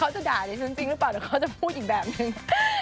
จะด่าดิฉันจริงหรือเปล่าเดี๋ยวเขาจะพูดอีกแบบนึง